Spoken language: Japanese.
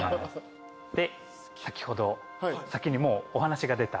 で先ほど先にもうお話が出た。